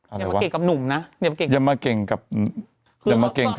อะไรวะอย่ามาเก่งกับหนุ่มนะอย่ามาเก่งกับอย่ามาเก่งกับ